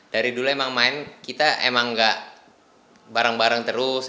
dari dulu emang main kita emang gak bareng bareng terus